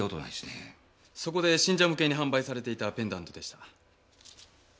そこで信者向けに販売されていたペンダントでした。